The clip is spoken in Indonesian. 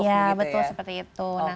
ya betul seperti itu